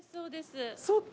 そっか。